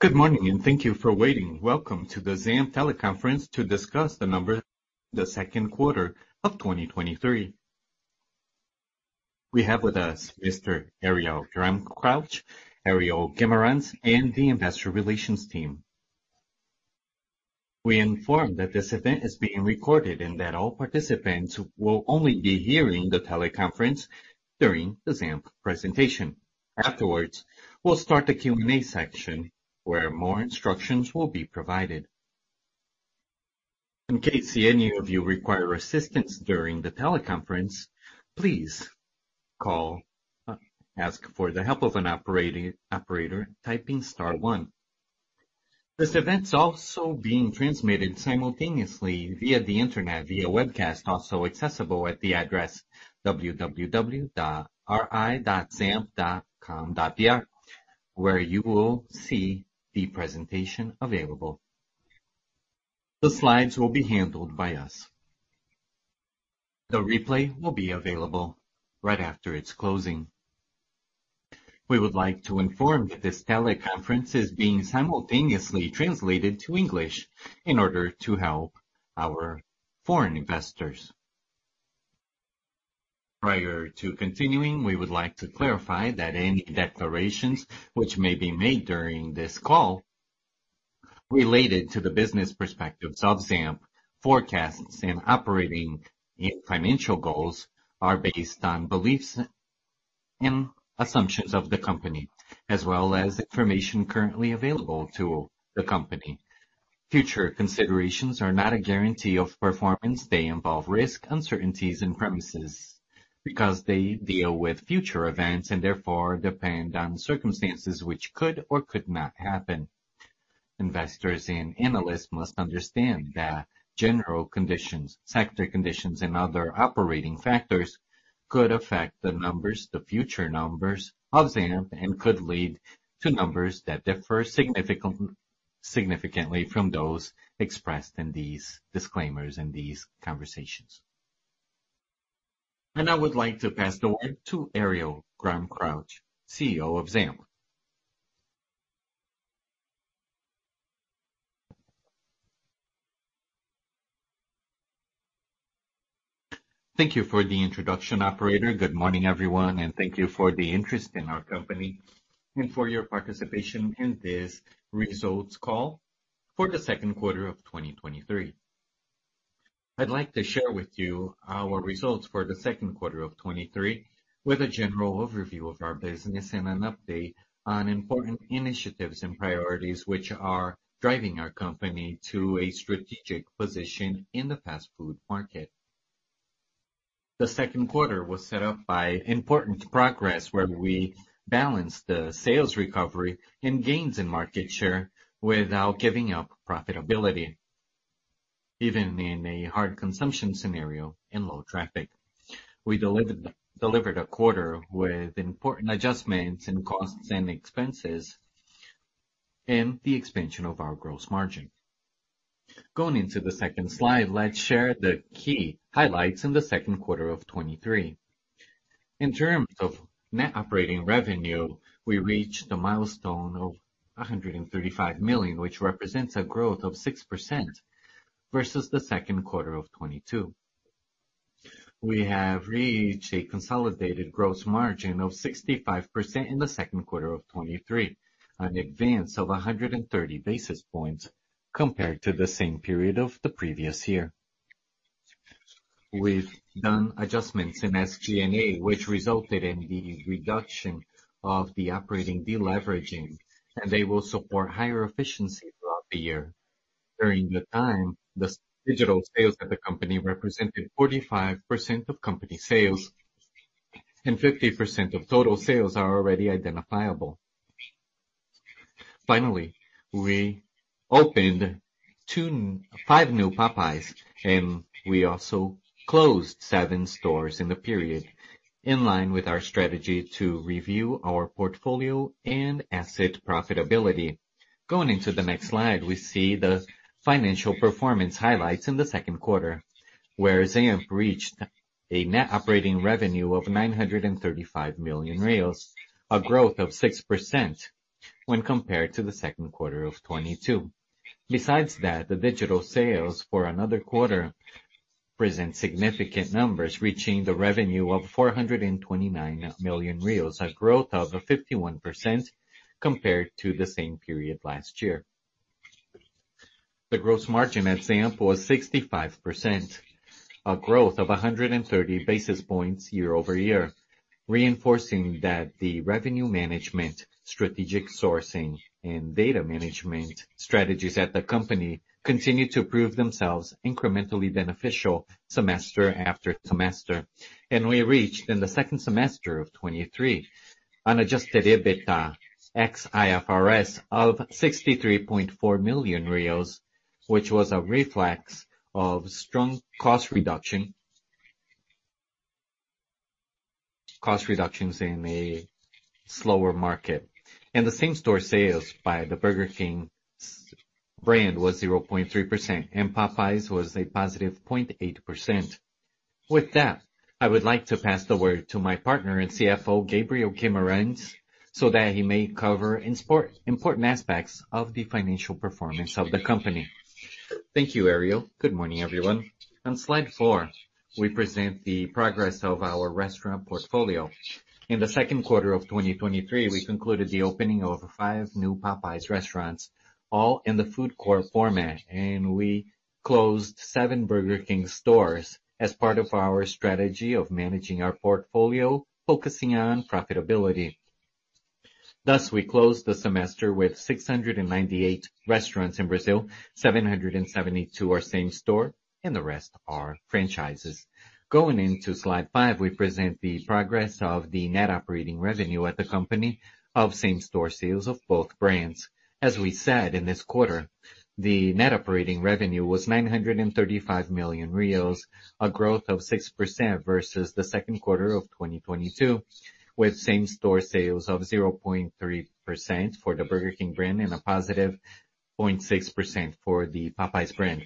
Good morning, and thank you for waiting. Welcome to the ZAMP teleconference to discuss the numbers, the second quarter of 2023. We have with us Mr. Ariel Grunkraut, Gabriel Guimarães, and the investor relations team. We inform that this event is being recorded and that all participants will only be hearing the teleconference during the ZAMP presentation. Afterwards, we'll start the Q&A section, where more instructions will be provided. In case any of you require assistance during the teleconference, please call, ask for the help of an operator, typing star 1. This event is also being transmitted simultaneously via the Internet, via webcast, also accessible at the address www.ri.zamp.com.br, where you will see the presentation available. The slides will be handled by us. The replay will be available right after it's closing. We would like to inform that this teleconference is being simultaneously translated to English in order to help our foreign investors. Prior to continuing, we would like to clarify that any declarations which may be made during this call related to the business perspectives of ZAMP, forecasts and operating and financial goals, are based on beliefs and assumptions of the company, as well as information currently available to the company. Future considerations are not a guarantee of performance. They involve risk, uncertainties, and premises because they deal with future events and therefore depend on circumstances which could or could not happen. Investors and analysts must understand that general conditions, sector conditions, and other operating factors could affect the numbers, the future numbers of ZAMP, and could lead to numbers that differ significantly from those expressed in these disclaimers, in these conversations. I would like to pass the word to Ariel Grunkraut, CEO of ZAMP. Thank you for the introduction, operator. Good morning, everyone, thank you for the interest in our company and for your participation in this results call for the second quarter of 2023. I'd like to share with you our results for the second quarter of 23, with a general overview of our business and an update on important initiatives and priorities which are driving our company to a strategic position in the fast food market. The second quarter was set up by important progress, where we balanced the sales recovery and gains in market share without giving up profitability, even in a hard consumption scenario and low traffic. We delivered a quarter with important adjustments in costs and expenses and the expansion of our gross margin. Going into the second slide, let's share the key highlights in the second quarter of 2023. In terms of net operating revenue, we reached a milestone of 135 million, which represents a growth of 6% versus the second quarter of 2022. We have reached a consolidated gross margin of 65% in the second quarter of 2023, an advance of 130 basis points compared to the same period of the previous year. We've done adjustments in SG&A, which resulted in the reduction of the operating deleveraging, and they will support higher efficiency throughout the year. During the time, the digital sales at the company represented 45% of company sales, and 50% of total sales are already identifiable. Finally, we opened two... 5 new Popeyes. We also closed 7 stores in the period, in line with our strategy to review our portfolio and asset profitability. Going into the next slide, we see the financial performance highlights in the second quarter, where ZAMP reached a net operating revenue of R$935 million reais, a growth of 6% when compared to the second quarter of 2022. Besides that, the digital sales for another quarter present significant numbers, reaching the revenue of R$429 million reais, a growth of 51% compared to the same period last year. The gross margin at ZAMP was 65%, a growth of 130 basis points year-over-year, reinforcing that the revenue management, strategic sourcing, and data management strategies at the company continue to prove themselves incrementally beneficial semester after semester. We reached, in the second semester of 2023, an adjusted EBITDA ex-IFRS of 63.4 million, which was a reflex of strong cost reduction, cost reductions in a slower market, and the same-store sales by the Burger King brand was 0.3%, and Popeyes was a positive 0.8%. With that, I would like to pass the word to my partner and CFO, Gabriel Guimarães, so that he may cover important aspects of the financial performance of the company. Thank you, Ariel. Good morning, everyone. On slide 4, we present the progress of our restaurant portfolio. In the second quarter of 2023, we concluded the opening of 5 new Popeyes restaurants, all in the food court format, and we closed 7 Burger King stores as part of our strategy of managing our portfolio, focusing on profitability. We closed the semester with 698 restaurants in Brazil, 772 are same-store, and the rest are franchises. Going into slide 5, we present the progress of the net operating revenue at the company of same-store sales of both brands. As we said in this quarter, the net operating revenue was BRL 935 million, a growth of 6% versus the second quarter of 2022, with same-store sales of 0.3% for the Burger King brand, and a +0.6% for the Popeyes brand.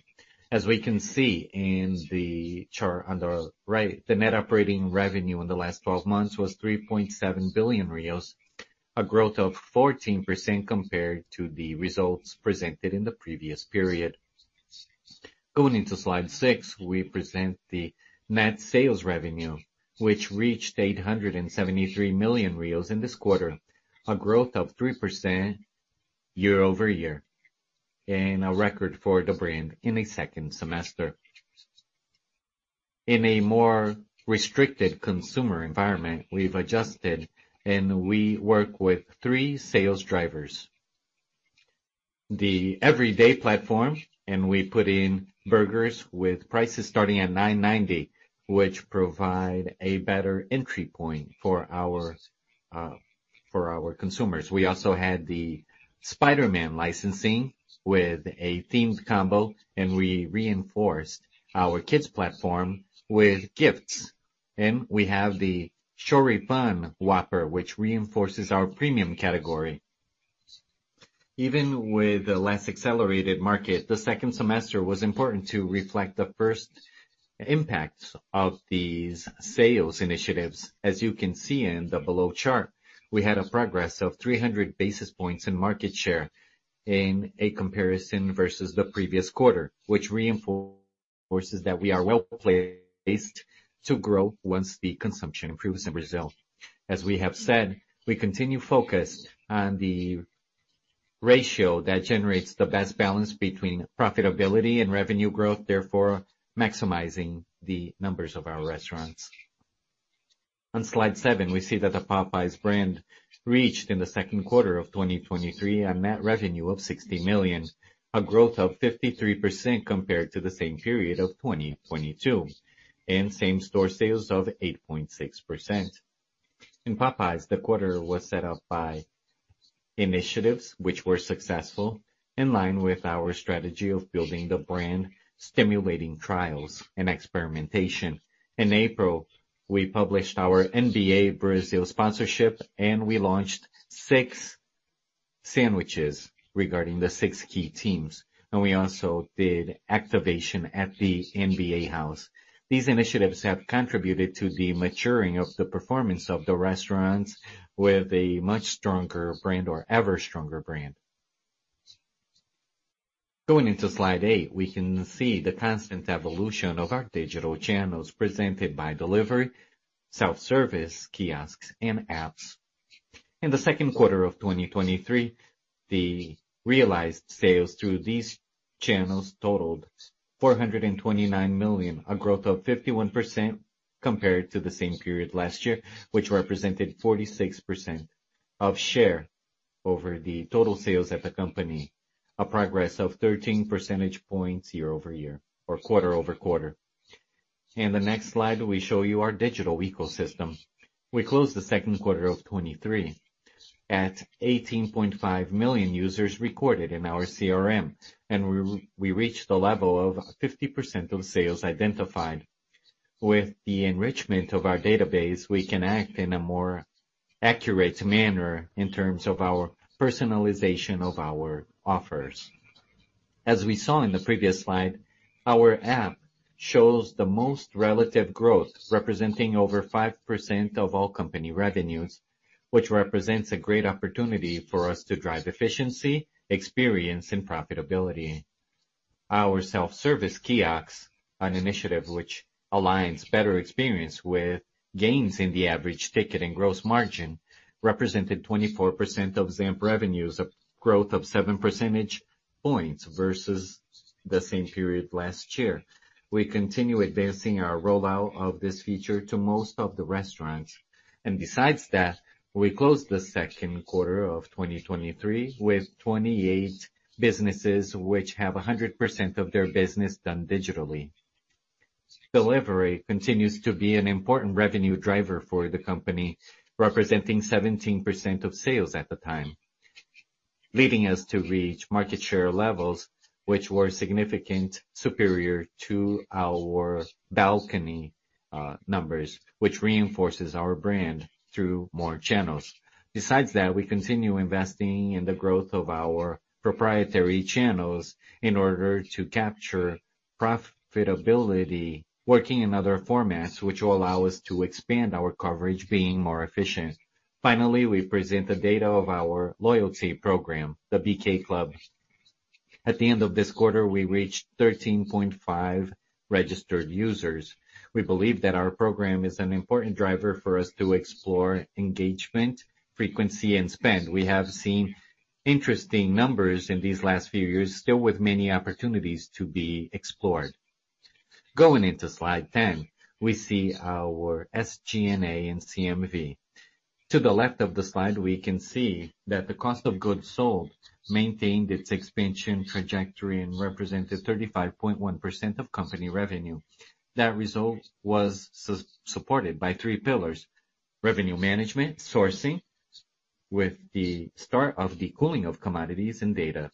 As we can see in the chart on the right, the net operating revenue in the last 12 months was 3.7 billion, a growth of 14% compared to the results presented in the previous period. Going into slide 6, we present the net sales revenue, which reached 873 million in this quarter, a growth of 3% year-over-year, and a record for the brand in a second semester. In a more restricted consumer environment, we've adjusted and we work with three sales drivers: the everyday platform, and we put in burgers with prices starting at 9.90, which provide a better entry point for our for our consumers. We also had the Spider-Man licensing with a themed combo, and we reinforced our kids platform with gifts. We have the Whopper Choripan, which reinforces our premium category. Even with a less accelerated market, the second semester was important to reflect the first impacts of these sales initiatives. As you can see in the below chart, we had a progress of 300 basis points in market share in a comparison versus the previous quarter, which reinforces that we are well placed to grow once the consumption improves in Brazil. As we have said, we continue focused on the ratio that generates the best balance between profitability and revenue growth, therefore maximizing the numbers of our restaurants. On slide seven, we see that the Popeyes brand reached in the second quarter of 2023, a net revenue of 60 million, a growth of 53% compared to the same period of 2022, and same-store sales of 8.6%. In Popeyes, the quarter was set up by initiatives which were successful, in line with our strategy of building the brand, stimulating trials and experimentation. In April, we published our NBA Brazil sponsorship, and we launched 6 sandwiches regarding the 6 key teams, and we also did activation at the NBA House. These initiatives have contributed to the maturing of the performance of the restaurants with a much stronger brand or ever stronger brand. Going into slide 8, we can see the constant evolution of our digital channels presented by delivery, self-service kiosks, and apps. In the second quarter of 2023, the realized sales through these channels totaled 429 million, a growth of 51% compared to the same period last year, which represented 46% of share over the total sales at the company, a progress of 13 percentage points year-over-year or quarter-over-quarter. In the next slide, we show you our digital ecosystem. We closed the second quarter of 2023 at 18.5 million users recorded in our CRM, and we reached the level of 50% of sales identified. With the enrichment of our database, we can act in a more accurate manner in terms of our personalization of our offers. As we saw in the previous slide, our app shows the most relative growth, representing over 5% of all company revenues, which represents a great opportunity for us to drive efficiency, experience, and profitability. Our self-service kiosks, an initiative which aligns better experience with gains in the average ticket and gross margin, represented 24% of the revenues, a growth of 7 percentage points versus the same period last year. We continue advancing our rollout of this feature to most of the restaurants, and besides that, we closed the second quarter of 2023 with 28 businesses, which have 100% of their business done digitally. Delivery continues to be an important revenue driver for the company, representing 17% of sales at the time, leading us to reach market share levels, which were significant, superior to our balcony numbers, which reinforces our brand through more channels. Besides that, we continue investing in the growth of our proprietary channels in order to capture profitability, working in other formats, which will allow us to expand our coverage, being more efficient. Finally, we present the data of our loyalty program, the Clube BK. At the end of this quarter, we reached 13.5 registered users. We believe that our program is an important driver for us to explore engagement, frequency, and spend. We have seen interesting numbers in these last few years, still with many opportunities to be explored. Going into slide 10, we see our SG&A and CMV. To the left of the slide, we can see that the cost of goods sold maintained its expansion trajectory and represented 35.1% of company revenue. That result was supported by three pillars: revenue management, sourcing, with the start of the cooling of commodities and data.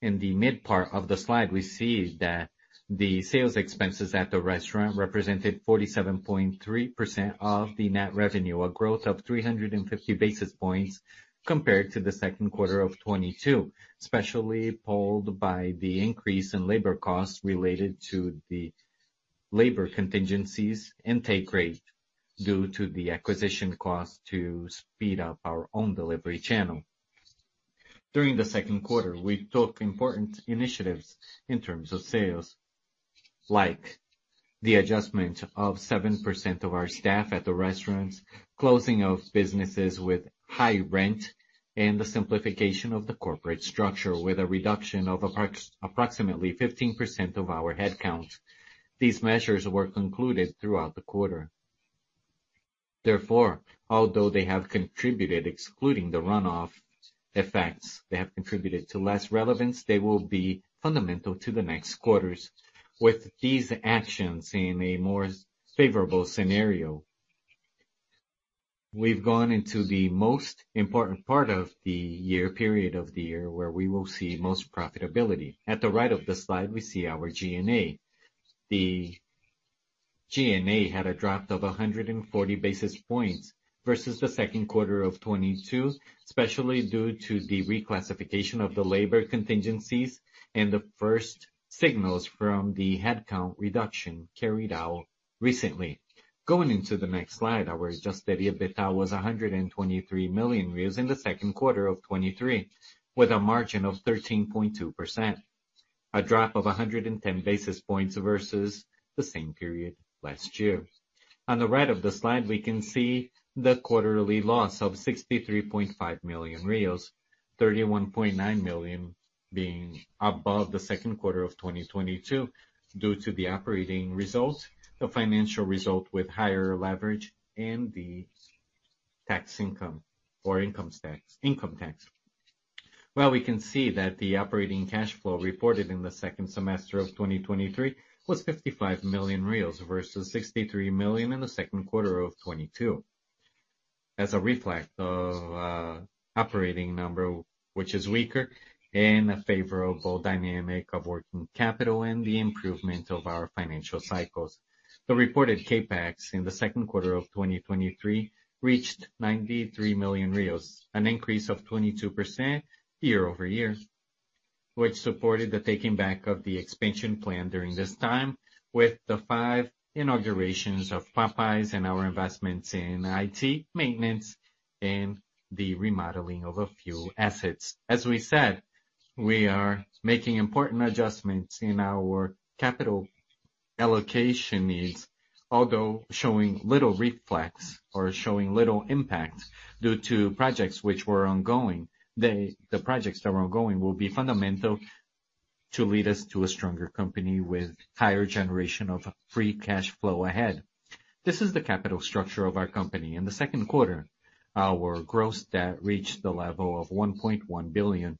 In the mid part of the slide, we see that the sales expenses at the restaurant represented 47.3% of the net revenue, a growth of 350 basis points compared to the second quarter of 2022, especially pulled by the increase in labor costs related to the labor contingencies and take rate due to the acquisition cost to speed up our own delivery channel. During the second quarter, we took important initiatives in terms of sales, like the adjustment of 7% of our staff at the restaurants, closing of businesses with high rent, and the simplification of the corporate structure, with a reduction of approximately 15% of our headcount. These measures were concluded throughout the quarter. Therefore, although they have contributed, excluding the runoff effects, they have contributed to less relevance. They will be fundamental to the next quarters. With these actions in a more favorable scenario, we've gone into the most important part of the year, period of the year, where we will see most profitability. At the right of the slide, we see our G&A. The G&A had a drop of 140 basis points versus the second quarter of 2022, especially due to the reclassification of the labor contingencies and the first signals from the headcount reduction carried out recently. Going into the next slide, our adjusted EBITDA was R$ 123 million reais in the second quarter of 2023, with a margin of 13.2%, a drop of 110 basis points versus the same period last year. On the right of the slide, we can see the quarterly loss of 63.5 million, 31.9 million being above the second quarter of 2022, due to the operating results, the financial result with higher leverage, and the tax income or income tax, income tax. Well, we can see that the operating cash flow reported in the second semester of 2023 was 55 million reais versus 63 million in the second quarter of 2022. As a reflex of operating number, which is weaker, and a favorable dynamic of working capital and the improvement of our financial cycles. The reported CapEx in the second quarter of 2023 reached 93 million, an increase of 22% year-over-year, which supported the taking back of the expansion plan during this time, with the five inaugurations of Popeyes and our investments in IT, maintenance, and the remodeling of a few assets. As we said, we are making important adjustments in our capital allocation needs, although showing little reflex or showing little impact due to projects which were ongoing. The projects that were ongoing will be fundamental to lead us to a stronger company with higher generation of free cash flow ahead. This is the capital structure of our company. In the second quarter, our gross debt reached the level of 1.1 billion,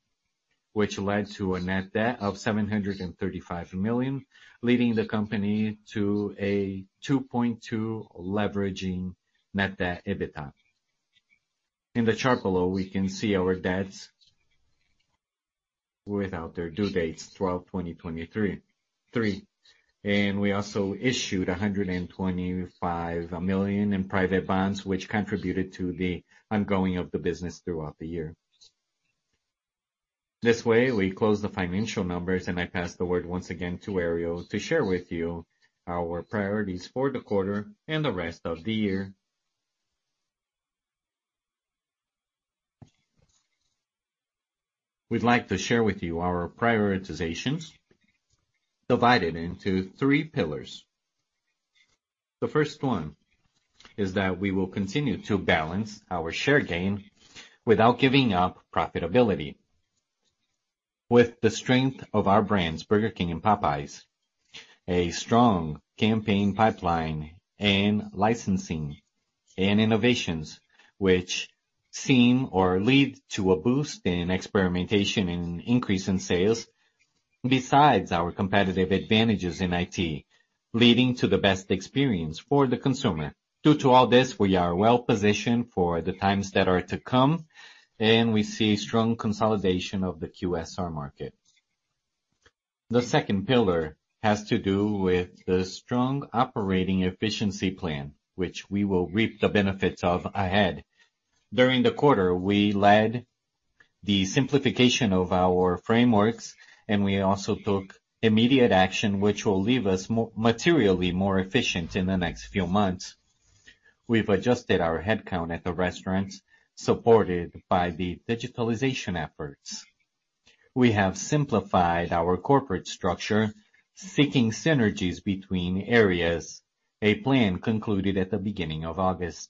which led to a net debt of 735 million, leading the company to a 2.2 leveraging Net Debt/EBITDA. In the chart below, we can see our debts without their due dates, throughout 2023. We also issued 125 million in private bonds, which contributed to the ongoing of the business throughout the year. This way, we close the financial numbers, and I pass the word once again to Ariel, to share with you our priorities for the quarter and the rest of the year. We'd like to share with you our prioritizations, divided into three pillars. The first one is that we will continue to balance our share gain without giving up profitability. With the strength of our brands, Burger King and Popeyes, a strong campaign pipeline and licensing and innovations which seem or lead to a boost in experimentation and increase in sales, besides our competitive advantages in IT, leading to the best experience for the consumer. Due to all this, we are well positioned for the times that are to come. We see strong consolidation of the QSR market. The second pillar has to do with the strong operating efficiency plan, which we will reap the benefits of ahead. During the quarter, we led the simplification of our frameworks. We also took immediate action, which will leave us materially more efficient in the next few months. We've adjusted our headcount at the restaurant, supported by the digitalization efforts. We have simplified our corporate structure, seeking synergies between areas, a plan concluded at the beginning of August.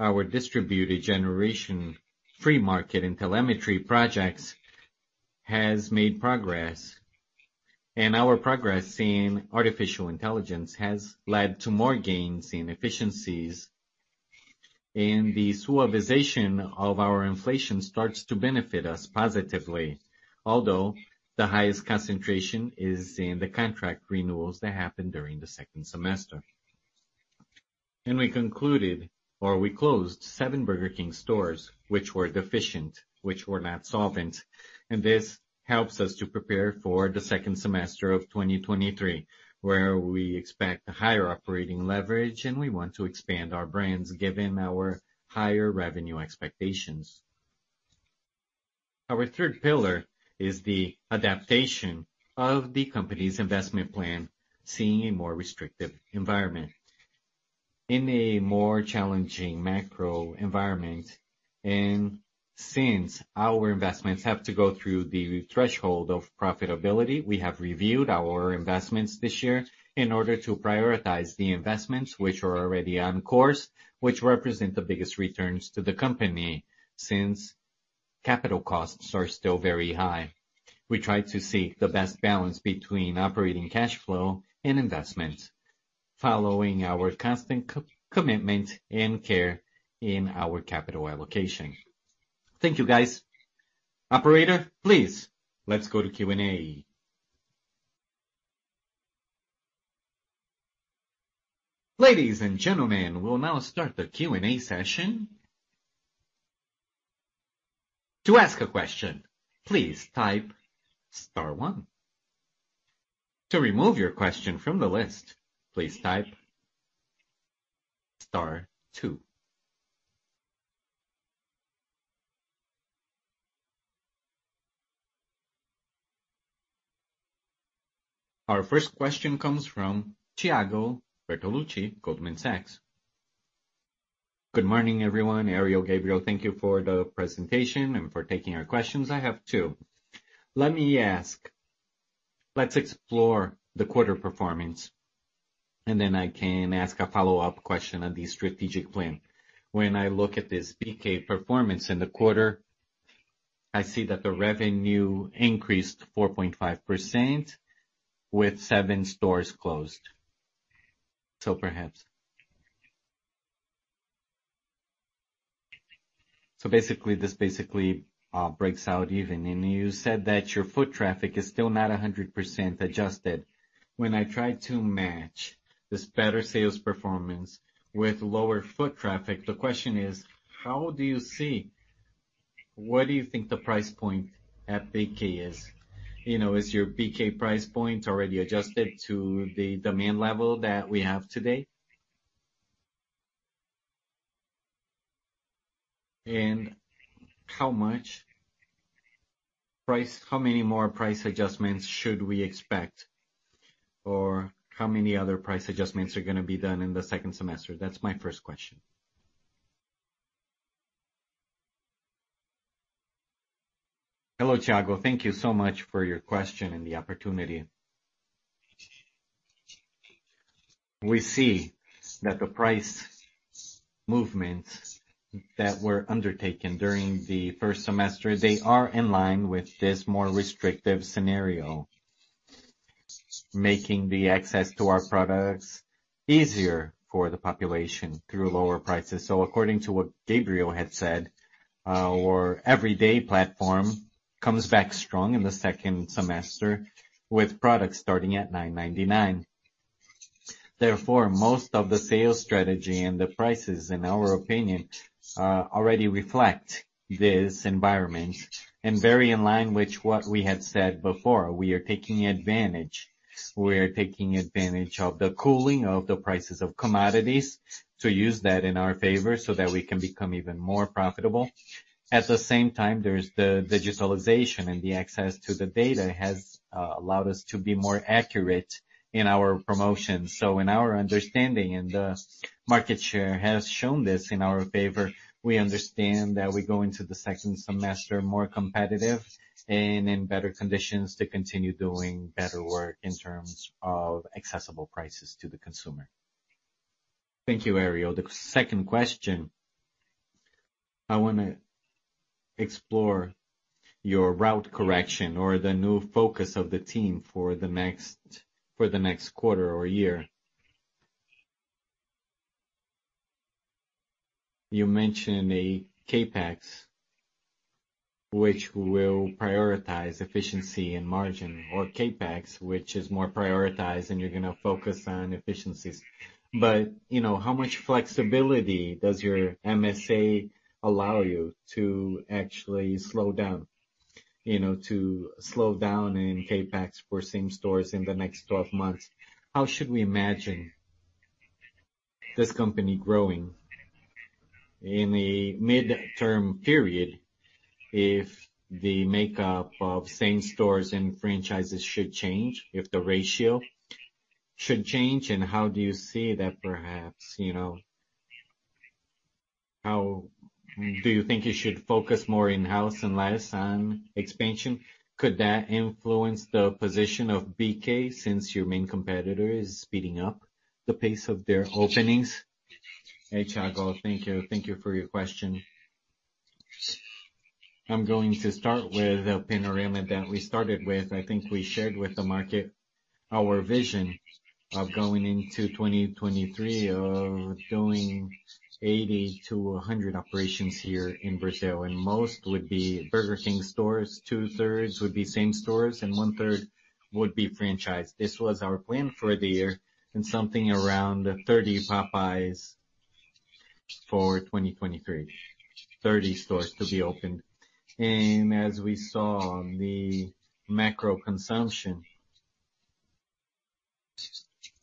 Our distributed generation, free market and telemetry projects has made progress, and our progress in artificial intelligence has led to more gains in efficiencies, and the suavization of our inflation starts to benefit us positively, although the highest concentration is in the contract renewals that happen during the second semester. We concluded, or we closed, seven Burger King stores, which were deficient, which were not solvent, and this helps us to prepare for the second semester of 2023, where we expect a higher operating leverage, and we want to expand our brands, given our higher revenue expectations. Our third pillar is the adaptation of the company's investment plan, seeing a more restrictive environment. In a more challenging macro environment, and since our investments have to go through the threshold of profitability, we have reviewed our investments this year in order to prioritize the investments which are already on course, which represent the biggest returns to the company, since capital costs are still very high. We try to seek the best balance between operating cash flow and investment, following our constant co-commitment and care in our capital allocation. Thank you, guys. Operator, please, let's go to Q&A. Ladies and gentlemen, we'll now start the Q&A session. To ask a question, please type star one. To remove your question from the list, please type star two. Our first question comes from Tiago Bertolucci, Goldman Sachs. Good morning, everyone. Ariel, Gabriel, thank you for the presentation and for taking our questions. I have two. Let's explore the quarter performance, and then I can ask a follow-up question on the strategic plan. When I look at this BK performance in the quarter, I see that the revenue increased 4.5% with seven stores closed. Basically, this basically breaks out even. You said that your foot traffic is still not 100% adjusted. When I try to match this better sales performance with lower foot traffic, the question is: where do you think the price point at BK is? You know, is your BK price point already adjusted to the demand level that we have today? How many more price adjustments should we expect, or how many other price adjustments are gonna be done in the second semester? That's my first question. Hello, Tiago. Thank you so much for your question and the opportunity. We see that the price movements that were undertaken during the first semester, they are in line with this more restrictive scenario, making the access to our products easier for the population through lower prices. According to what Gabriel had said, our everyday platform comes back strong in the second semester with products starting at R$ 9.99. Therefore, most of the sales strategy and the prices, in our opinion, already reflect this environment and very in line with what we had said before. We are taking advantage. We are taking advantage of the cooling of the prices of commodities to use that in our favor so that we can become even more profitable. At the same time, there's the digitalization and the access to the data has allowed us to be more accurate in our promotions. In our understanding, and the market share has shown this in our favor, we understand that we go into the second semester more competitive and in better conditions to continue doing better work in terms of accessible prices to the consumer. Thank you, Ariel. The second question: I wanna explore your route correction or the new focus of the team for the next, for the next quarter or year. You mentioned a CapEx, which will prioritize efficiency and margin, or CapEx, which is more prioritized, and you're gonna focus on efficiencies. You know, how much flexibility does your MSA allow you to actually slow down?... you know, to slow down in CapEx for same stores in the next 12 months, how should we imagine this company growing in a midterm period if the makeup of same stores and franchises should change, if the ratio should change? How do you see that perhaps, you know, how do you think you should focus more in-house and less on expansion? Could that influence the position of BK, since your main competitor is speeding up the pace of their openings? Hey, Tiago, thank you. Thank you for your question. I'm going to start with a panorama that we started with. I think we shared with the market our vision of going into 2023, of doing 80-100 operations here in Brazil, and most would be Burger King stores. 2/3 would be same stores and 1/3 would be franchise. This was our plan for the year, and something around 30 Popeyes for 2023. 30 stores to be opened. As we saw on the macro consumption,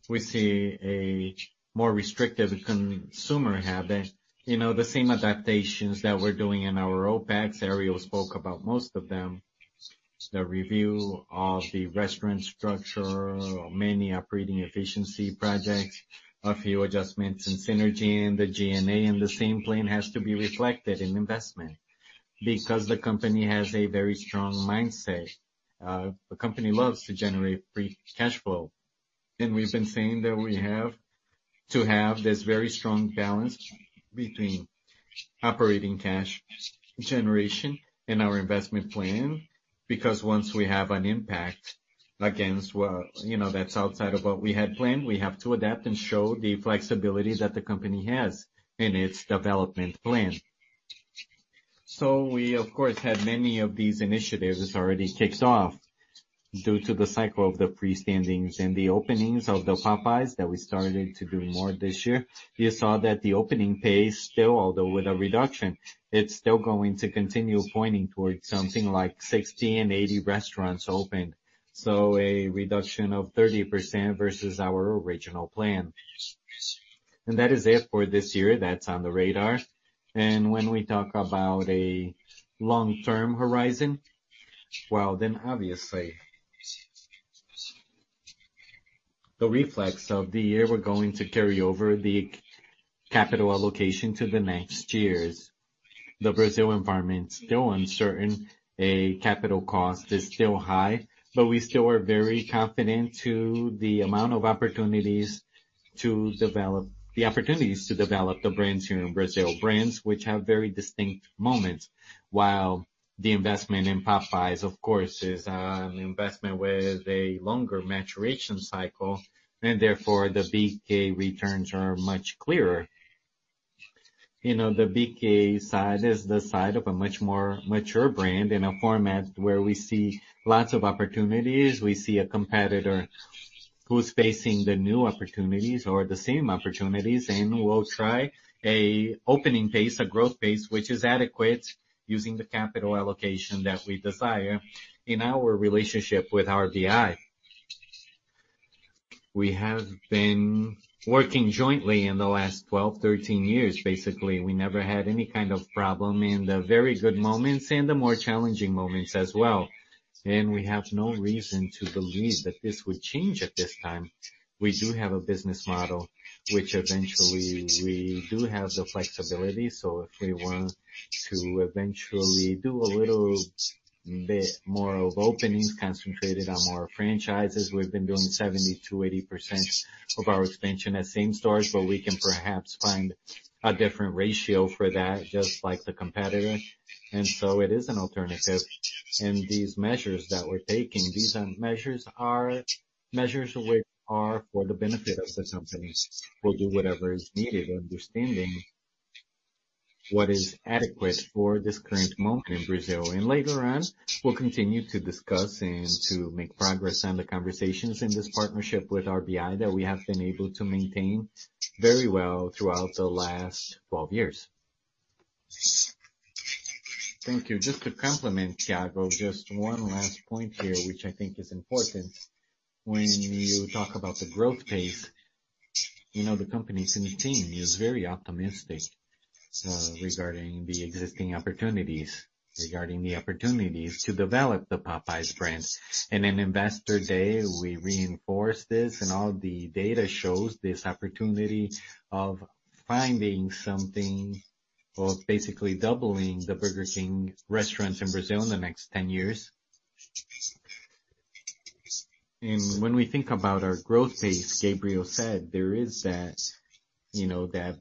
we see a more restrictive consumer habit. You know, the same adaptations that we're doing in our OpEx, Ariel spoke about most of them, the review of the restaurant structure, or many operating efficiency projects, a few adjustments in synergy and the G&A. The same plan has to be reflected in investment because the company has a very strong mindset. The company loves to generate free cash flow, and we've been saying that we have to have this very strong balance between operating cash generation and our investment plan, because once we have an impact against what, you know, that's outside of what we had planned, we have to adapt and show the flexibility that the company has in its development plan. We, of course, had many of these initiatives. It's already kicked off due to the cycle of the pre-standings and the openings of the Popeyes that we started to do more this year. You saw that the opening pace still, although with a reduction, it's still going to continue pointing towards something like 60 and 80 restaurants opened, so a reduction of 30% versus our original plan. That is it for this year. That's on the radar. When we talk about a long-term horizon, well, then obviously, the reflex of the year, we're going to carry over the capital allocation to the next years. The Brazil environment is still uncertain, a capital cost is still high. We still are very confident to the amount of opportunities to develop the opportunities to develop the brands here in Brazil, brands which have very distinct moments, while the investment in Popeyes, of course, is an investment with a longer maturation cycle, and therefore, the BK returns are much clearer. You know, the BK side is the side of a much more mature brand in a format where we see lots of opportunities. We see a competitor who's facing the new opportunities or the same opportunities, will try a opening pace, a growth pace, which is adequate, using the capital allocation that we desire in our relationship with RBI. We have been working jointly in the last 12, 13 years. Basically, we never had any kind of problem in the very good moments and the more challenging moments as well. We have no reason to believe that this would change at this time. We do have a business model which eventually we do have the flexibility. If we want to eventually do a little bit more of openings concentrated on more franchises, we've been doing 70%-80% of our expansion at same stores, but we can perhaps find a different ratio for that, just like the competitor. It is an alternative. These measures that we're taking, these measures are measures which are for the benefit of the company. We'll do whatever is needed, understanding what is adequate for this current moment in Brazil. Later on, we'll continue to discuss and to make progress on the conversations in this partnership with RBI that we have been able to maintain very well throughout the last 12 years. Thank you. Just to complement, Tiago, just one last point here, which I think is important. When you talk about the growth pace, you know, the company's team is very optimistic, regarding the existing opportunities, regarding the opportunities to develop the Popeyes brand. In an investor day, we reinforced this, and all the data shows this opportunity of finding something or basically doubling the Burger King restaurants in Brazil in the next 10 years. When we think about our growth pace, Gabriel said, there is that, you know, that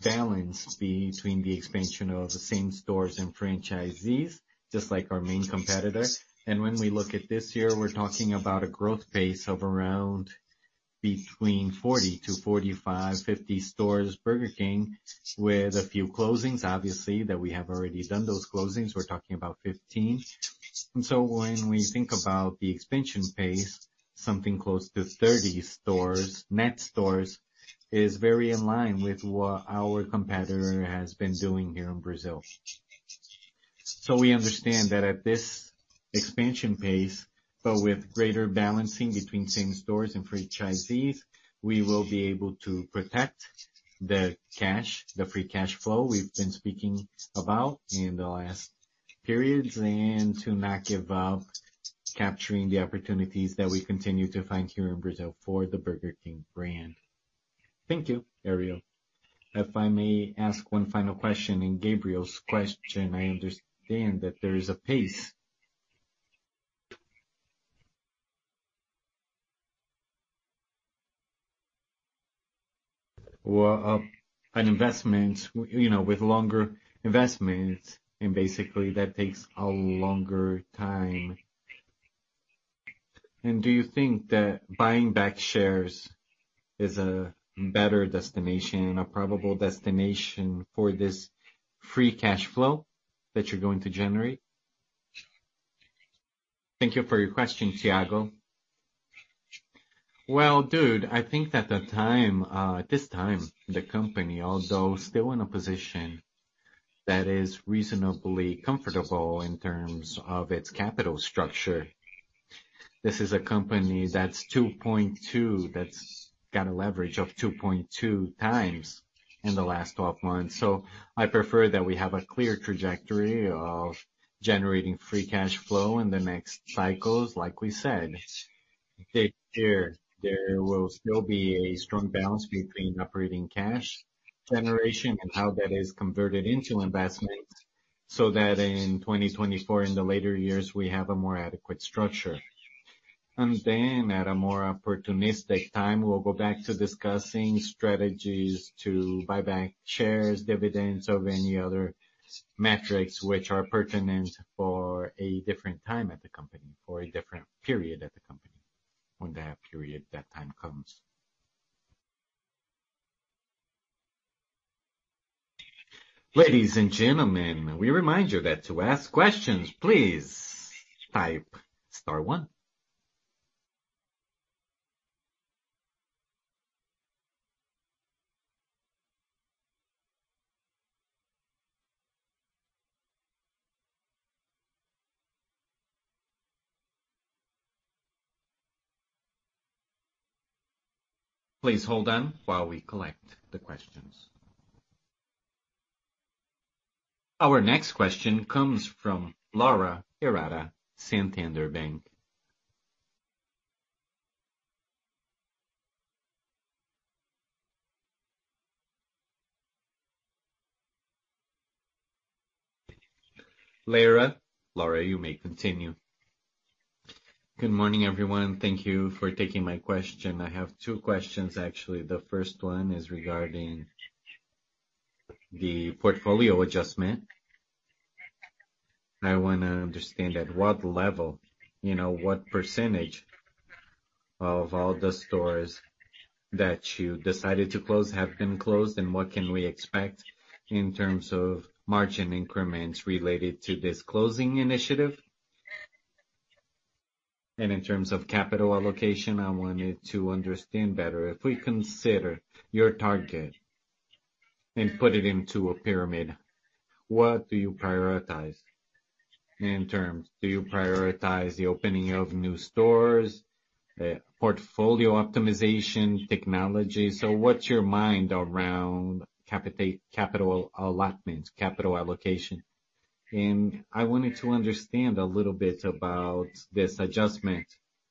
balance between the expansion of the same stores and franchisees, just like our main competitor. When we look at this year, we're talking about a growth pace of around between 40 to 45, 50 stores, Burger King, with a few closings, obviously, that we have already done those closings. We're talking about 15. When we think about the expansion pace, something close to 30 stores, net stores, is very in line with what our competitor has been doing here in Brazil. We understand that at this expansion pace, but with greater balancing between same stores and franchisees, we will be able to protect the cash, the free cash flow we've been speaking about in the last periods, and to not give up capturing the opportunities that we continue to find here in Brazil for the Burger King brand. Thank you, Ariel. If I may ask 1 final question, in Gabriel's question, I understand that there is a pace. Well, an investment, you know, with longer investments, and basically that takes a longer time. Do you think that buying back shares is a better destination and a probable destination for this free cash flow that you're going to generate? Thank you for your question, Tiago. Well, dude, I think that the time, at this time, the company, although still in a position that is reasonably comfortable in terms of its capital structure, this is a company that's got a leverage of 2.2x in the last 12 months. I prefer that we have a clear trajectory of generating free cash flow in the next cycles, like we said. There, there will still be a strong balance between operating cash generation and how that is converted into investment, so that in 2024, in the later years, we have a more adequate structure. Then at a more opportunistic time, we'll go back to discussing strategies to buy back shares, dividends of any other metrics which are pertinent for a different time at the company, for a different period at the company, when that period, that time comes. Ladies and gentlemen, we remind you that to ask questions, please type star one. Please hold on while we collect the questions. Our next question comes from Laura Herrera, Santander Bank. Laura, Laura, you may continue. Good morning, everyone. Thank you for taking my question. I have two questions, actually. The first one is regarding the portfolio adjustment. I wanna understand at what level, you know, what % of all the stores that you decided to close have been closed, and what can we expect in terms of margin increments related to this closing initiative? In terms of capital allocation, I wanted to understand better, if we consider your target and put it into a pyramid, what do you prioritize in terms? Do you prioritize the opening of new stores, portfolio optimization, technology? What's your mind around capital allotment, capital allocation? I wanted to understand a little bit about this adjustment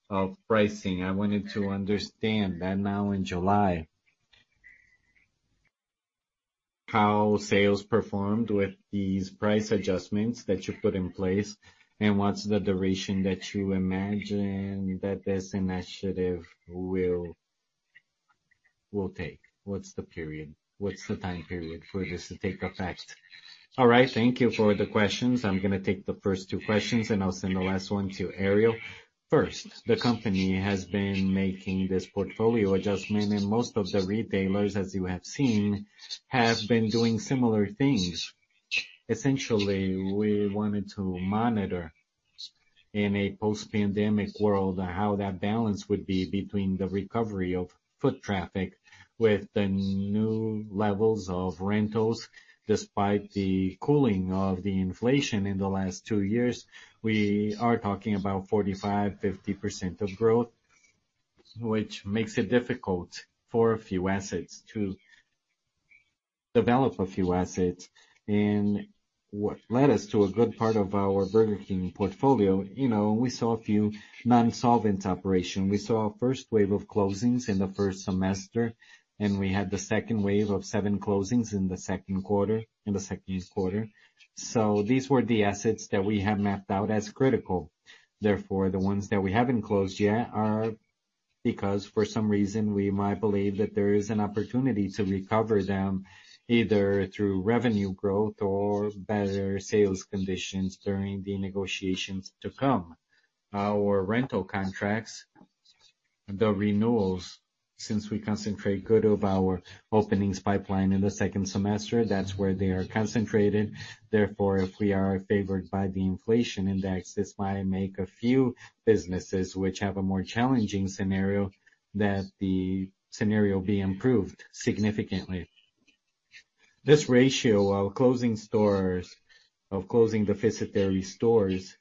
of pricing. I wanted to understand that now in July, how sales performed with these price adjustments that you put in place, and what's the duration that you imagine that this initiative will, will take? What's the period? What's the time period for this to take effect? All right, thank you for the questions. I'm gonna take the first two questions, and I'll send the last one to Ariel. First, the company has been making this portfolio adjustment, and most of the retailers, as you have seen, have been doing similar things. Essentially, we wanted to monitor in a post-pandemic world, how that balance would be between the recovery of foot traffic with the new levels of rentals. Despite the cooling of the inflation in the last two years, we are talking about 45%, 50% of growth, which makes it difficult for a few assets to develop a few assets. What led us to a good part of our Burger King portfolio, you know, we saw a few non-solvent operation. We saw a first wave of closings in the first semester. We had the second wave of 7 closings in the second quarter, in the second quarter. These were the assets that we have mapped out as critical. The ones that we haven't closed yet are because for some reason we might believe that there is an opportunity to recover them, either through revenue growth or better sales conditions during the negotiations to come. Our rental contracts, the renewals, since we concentrate openings pipeline in the second semester. That's where they are concentrated. If we are favored by the inflation index, this might make a few businesses which have a more challenging scenario, that the scenario be improved significantly. This ratio of closing stores, of closing deficitary stores,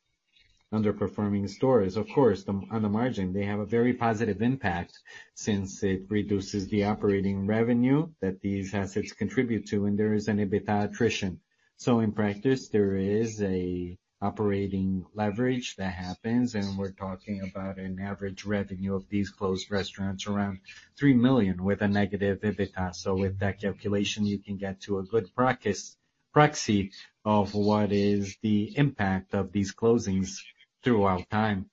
underperforming stores, of course, on the margin, they have a very positive impact since it reduces the operating revenue that these assets contribute to, and there is an EBITDA attrition. In practice, there is a operating leverage that happens, and we're talking about an average revenue of these closed restaurants around 3 million with a negative EBITDA. With that calculation, you can get to a good practice proxy of what is the impact of these closings throughout time.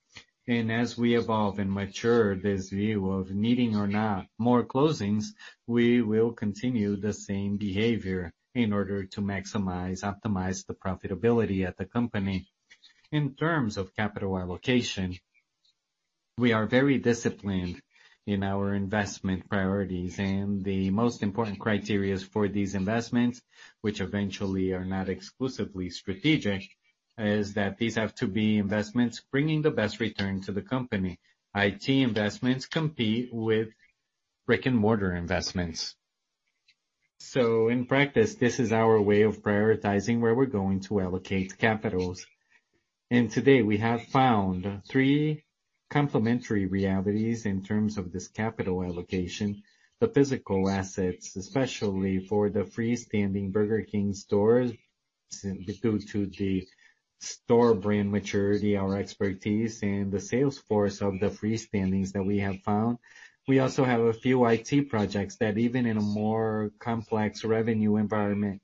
As we evolve and mature, this view of needing or not more closings, we will continue the same behavior in order to maximize, optimize the profitability at the company. In terms of capital allocation, we are very disciplined in our investment priorities. The most important criteria for these investments, which eventually are not exclusively strategic, is that these have to be investments bringing the best return to the company. IT investments compete with brick-and-mortar investments. In practice, this is our way of prioritizing where we're going to allocate capitals. Today, we have found three complementary realities in terms of this capital allocation. The physical assets, especially for the freestanding Burger King stores, due to the store brand maturity, our expertise, and the sales force of the freestandings that we have found. We also have a few IT projects that even in a more complex revenue environment,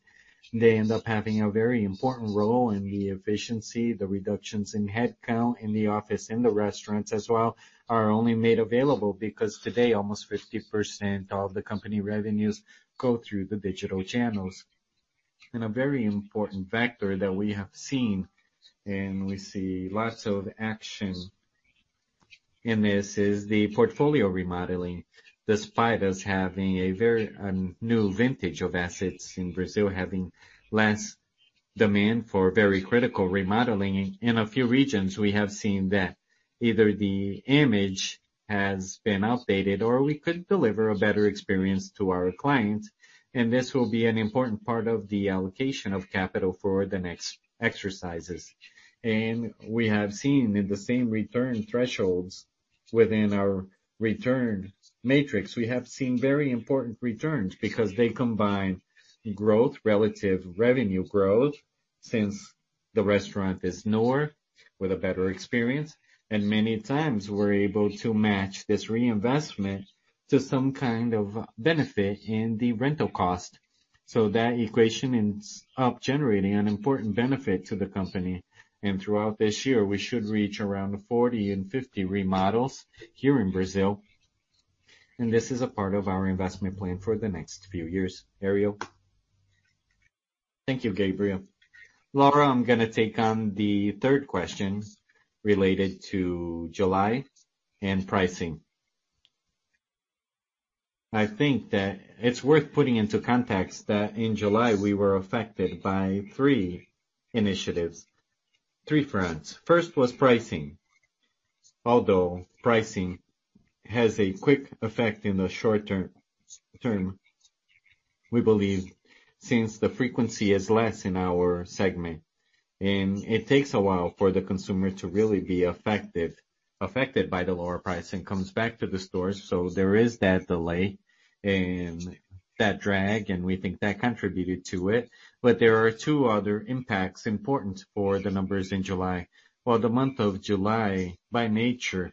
they end up having a very important role in the efficiency. The reductions in headcount, in the office, in the restaurants as well, are only made available because today, almost 50% of the company revenues go through the digital channels. A very important factor that we have seen, and we see lots of action in this, is the portfolio remodeling. Despite us having a very, new vintage of assets in Brazil, having less demand for very critical remodeling, in a few regions, we have seen that either the image has been outdated or we could deliver a better experience to our clients, and this will be an important part of the allocation of capital for the next exercises. We have seen in the same return thresholds within our return matrix, we have seen very important returns because they combine growth, relative revenue growth, since the restaurant is newer with a better experience, and many times we're able to match this reinvestment to some kind of benefit in the rental cost. That equation ends up generating an important benefit to the company. Throughout this year, we should reach around 40 and 50 remodels here in Brazil, and this is a part of our investment plan for the next few years. Ariel? Thank you, Gabriel. Laura, I'm gonna take on the third question related to July and pricing. I think that it's worth putting into context that in July we were affected by three initiatives, three fronts. First was pricing. Although pricing has a quick effect in the short term, term, we believe, since the frequency is less in our segment, and it takes a while for the consumer to really be affected by the lower price and comes back to the stores. There is that delay and that drag, and we think that contributed to it. There are 2 other impacts important for the numbers in July. The month of July, by nature,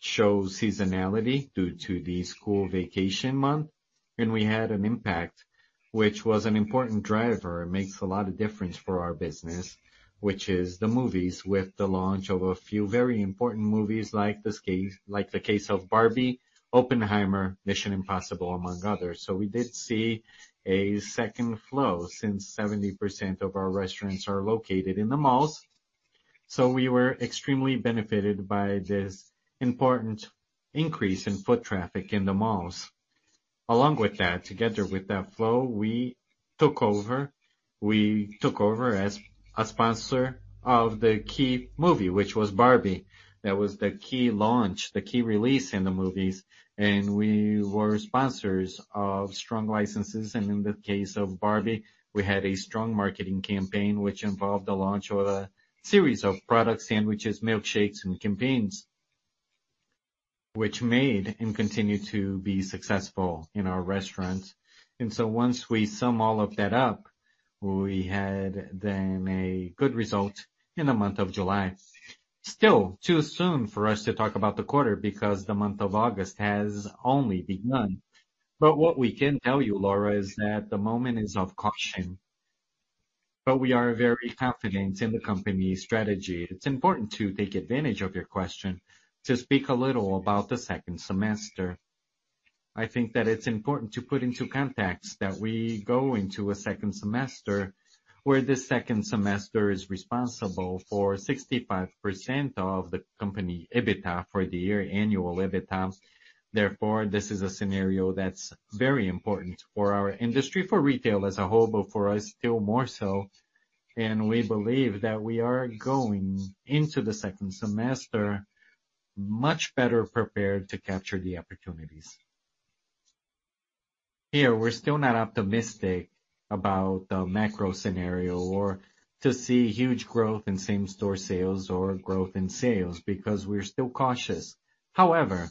shows seasonality due to the school vacation month, and we had an impact, which was an important driver, it makes a lot of difference for our business, which is the movies, with the launch of a few very important movies, like the case of Barbie, Oppenheimer, Mission Impossible, among others. We did see a second flow, since 70% of our restaurants are located in the malls. We were extremely benefited by this important increase in foot traffic in the malls. Along with that, together with that flow, we took over, we took over as a sponsor of the key movie, which was Barbie. That was the key launch, the key release in the movies, and we were sponsors of strong licenses. In the case of Barbie, we had a strong marketing campaign, which involved the launch of a series of products, sandwiches, milkshakes, and campaigns, which made and continue to be successful in our restaurants. Once we sum all of that up, we had then a good result in the month of July. Still too soon for us to talk about the quarter because the month of August has only begun. What we can tell you, Laura, is that the moment is of caution, but we are very confident in the company's strategy. It's important to take advantage of your question, to speak a little about the second semester. I think that it's important to put into context that we go into a second semester, where this second semester is responsible for 65% of the company EBITDA for the year, annual EBITDA. This is a scenario that's very important for our industry, for retail as a whole, but for us, still more so. We believe that we are going into the second semester much better prepared to capture the opportunities. Here, we're still not optimistic about the macro scenario or to see huge growth in same-store sales or growth in sales, because we're still cautious. However,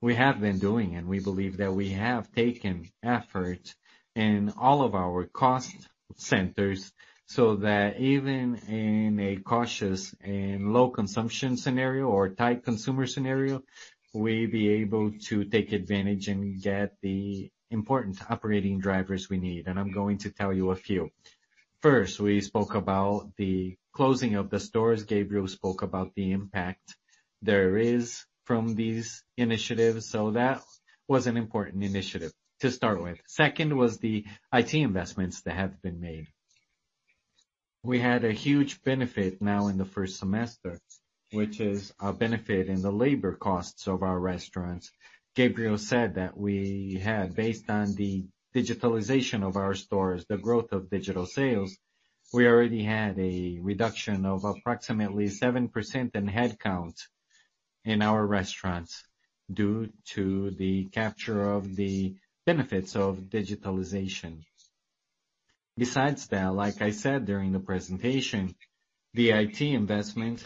we have been doing, and we believe that we have taken effort in all of our cost centers, so that even in a cautious and low consumption scenario or tight consumer scenario, we'll be able to take advantage and get the important operating drivers we need, and I'm going to tell you a few. First, we spoke about the closing of the stores. Gabriel spoke about the impact there is from these initiatives, so that was an important initiative to start with. Second, was the IT investments that have been made. We had a huge benefit now in the first semester, which is a benefit in the labor costs of our restaurants. Gabriel said that we had, based on the digitalization of our stores, the growth of digital sales, we already had a reduction of approximately 7% in headcount in our restaurants due to the capture of the benefits of digitalization. Besides that, like I said during the presentation, the IT investment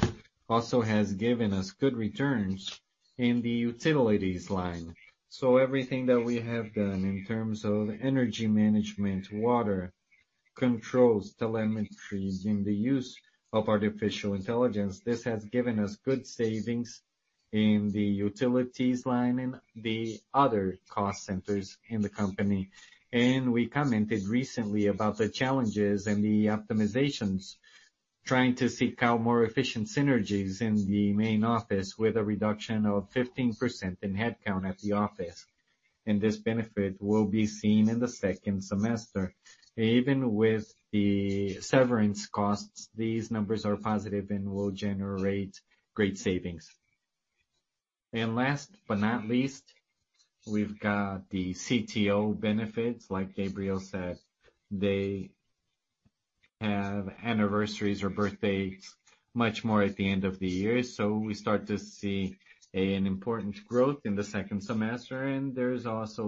also has given us good returns in the utilities line. Everything that we have done in terms of energy management, water controls, telemetries, in the use of artificial intelligence, this has given us good savings in the utilities line and the other cost centers in the company. We commented recently about the challenges and the optimizations, trying to seek out more efficient synergies in the main office, with a reduction of 15% in headcount at the office. This benefit will be seen in the second semester. Even with the severance costs, these numbers are positive and will generate great savings. Last but not least, we've got the uncertain. Like Gabriel said, they have anniversaries or birthdays much more at the end of the year, so we start to see an important growth in the second semester. There's also,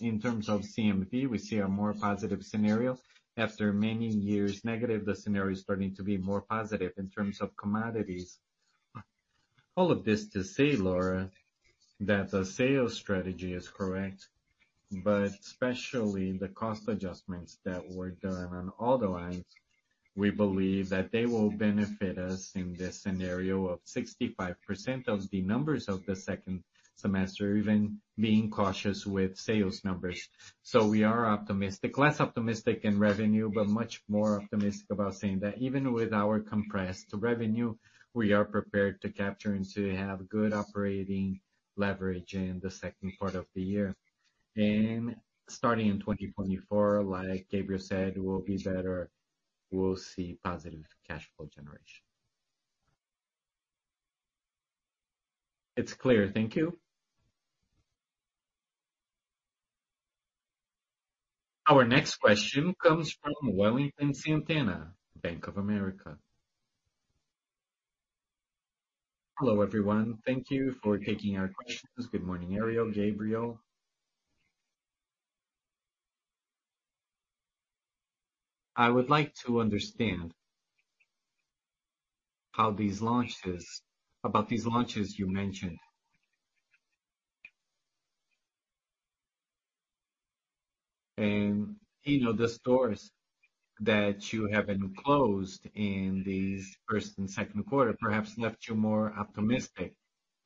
in terms of CMV, we see a more positive scenario. After many years negative, the scenario is starting to be more positive in terms of commodities. All of this to say, Laura, that the sales strategy is correct, but especially the cost adjustments that were done on all the lines, we believe that they will benefit us in this scenario of 65% of the numbers of the second semester, even being cautious with sales numbers. We are optimistic, less optimistic in revenue, but much more optimistic about saying that even with our compressed revenue, we are prepared to capture and to have good operating leverage in the second part of the year. Starting in 2024, like Gabriel said, we'll be better. We'll see positive cash flow generation. It's clear. Thank you. Our next question comes from Wellington Santana, Bank of America. Hello, everyone. Thank you for taking our questions. Good morning, Ariel, Gabriel. I would like to understand about these launches you mentioned. You know, the stores that you have been closed in these first and second quarter perhaps left you more optimistic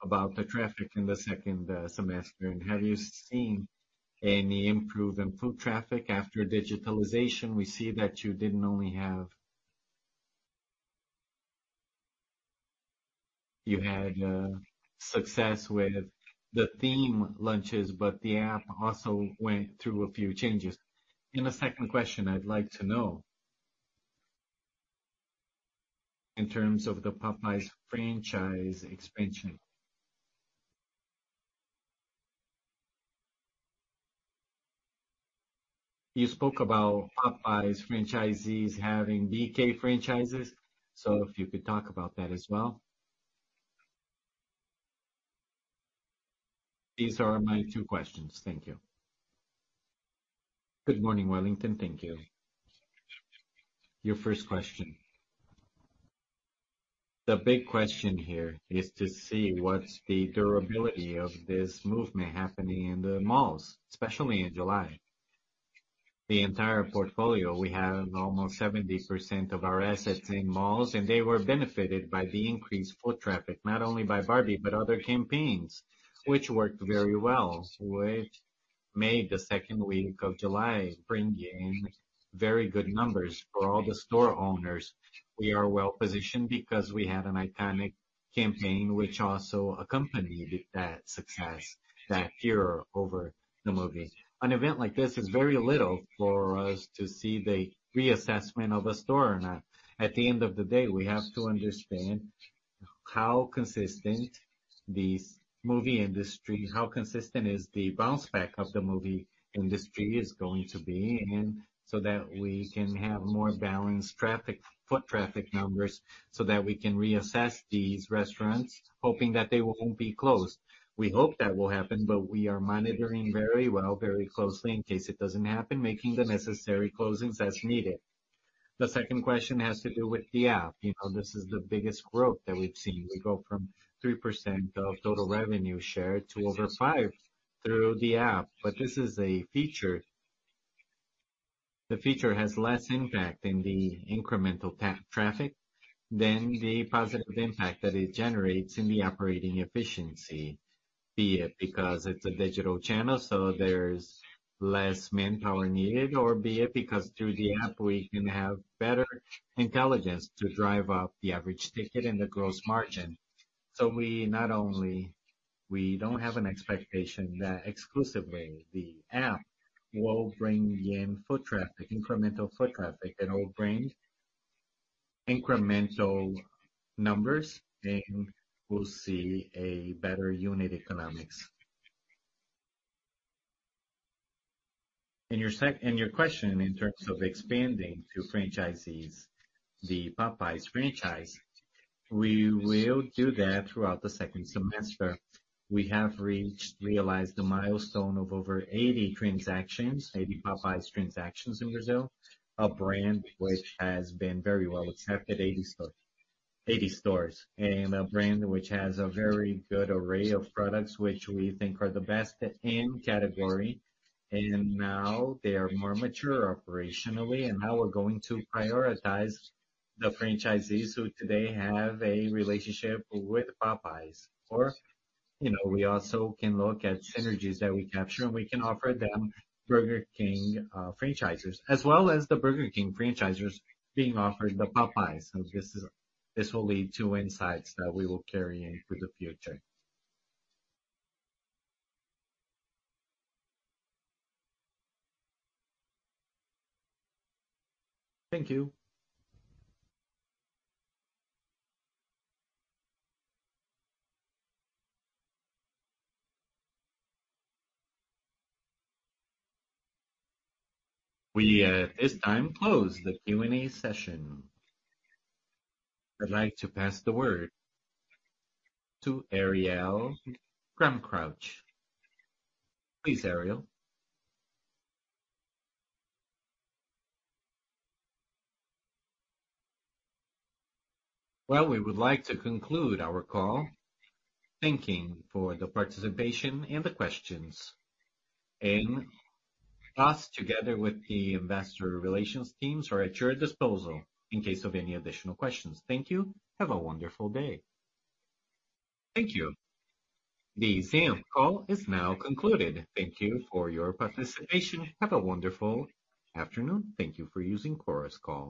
about the traffic in the second semester. Have you seen any improve in foot traffic after digitalization? We see that you didn't only have... You had success with the themed launches, but the app also went through a few changes. A second question I'd like to know, in terms of the Popeyes franchise expansion. You spoke about Popeyes franchisees having BK franchises, so if you could talk about that as well. These are my 2 questions. Thank you. Good morning, Wellington. Thank you. Your 1st question. The big question here is to see what's the durability of this movement happening in the malls, especially in July. The entire portfolio, we have almost 70% of our assets in malls, and they were benefited by the increased foot traffic, not only by Barbie, but other campaigns, which worked very well, which made the 2nd week of July bring in very good numbers for all the store owners. We are well-positioned because we had an iconic campaign, which also accompanied that success, that hero over the movie. An event like this is very little for us to see the reassessment of a store or not. At the end of the day, we have to understand how consistent these movie industry, how consistent is the bounce back of the movie industry is going to be, and so that we can have more balanced traffic, foot traffic numbers, so that we can reassess these restaurants, hoping that they won't be closed. We hope that will happen, but we are monitoring very well, very closely in case it doesn't happen, making the necessary closings as needed. The second question has to do with the app. You know, this is the biggest growth that we've seen. We go from 3% of total revenue share to over 5 through the app. This is a feature. The feature has less impact in the incremental traffic than the positive impact that it generates in the operating efficiency, be it because it's a digital channel, so there's less manpower needed, or be it because through the app, we can have better intelligence to drive up the average ticket and the gross margin. We don't have an expectation that exclusively the app will bring in foot traffic, incremental foot traffic, it will bring incremental numbers, and we'll see a better unit economics. Your question in terms of expanding to franchisees, the Popeyes franchise, we will do that throughout the second semester. We have reached, realized the milestone of over 80 transactions, 80 Popeyes transactions in Brazil, a brand which has been very well accepted, 80 stores. A brand which has a very good array of products, which we think are the best in category, and now they are more mature operationally, and now we're going to prioritize the franchisees who today have a relationship with Popeyes. You know, we also can look at synergies that we capture, and we can offer them Burger King franchisers, as well as the Burger King franchisers being offered the Popeyes. This is, this will lead to insights that we will carry into the future. Thank you. We, at this time, close the Q&A session. I'd like to pass the word to Ariel Grunkraut. Please, Ariel. Well, we would like to conclude our call. Thank you for the participation and the questions. Us, together with the investor relations teams, are at your disposal in case of any additional questions. Thank you. Have a wonderful day. Thank you. The Zoom call is now concluded. Thank you for your participation. Have a wonderful afternoon. Thank you for using Chorus Call.